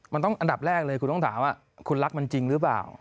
มันต้องอันดับแรกเลยคุณต้องถามว่าคุณรักมันจริงหรือเปล่า